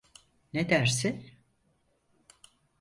Ne dersi?